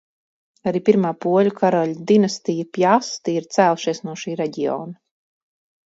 Arī pirmā poļu karaļu dinastija – Pjasti – ir cēlušies no šī reģiona.